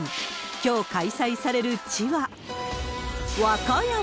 きょう開催される地は、和歌山。